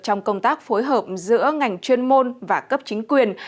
trong công tác phối hợp giữa ngành chuyên môn và cấp chính quyền